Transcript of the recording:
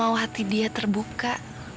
aku mau hati dia terbuka